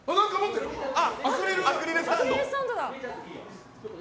アクリルスタンドだ。